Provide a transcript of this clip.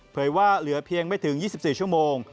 ว่าเหลือเพียงไม่ถึง๒๔ชั่วโมง